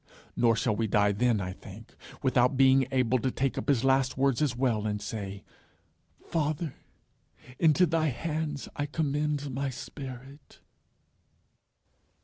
Nor shall we die then, I think, without being able to take up his last words as well, and say, "_Father, into thy hands I commend my spirit.